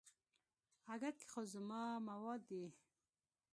اگه کې خو زما مواد دي.